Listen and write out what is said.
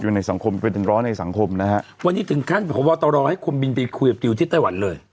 อยู่ในสังคมเป็นร้อนในสังคมนะฮะวันนี้ถึงครั้งหัวว่าเต๋ารอให้คุณบินไปคุยกับดิวที่ไต้หวันเลย